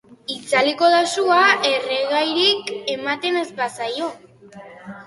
Itzaliko da sua, erregairik ematen ez bazaio.